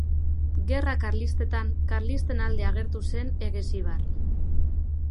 Gerrate Karlistetan, karlisten alde agertu zen Eguesibar.